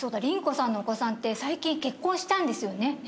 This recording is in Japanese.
リンコさんのお子さんって最近結婚したんですよね。